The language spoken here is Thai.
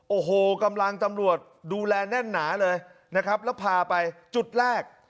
โอ้โหกำลังตำรวจดูแลแน่นหนาเลยนะครับแล้วพาไปจุดแรก